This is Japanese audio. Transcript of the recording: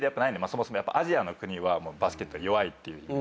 そもそもアジアの国はバスケット弱いってイメージで。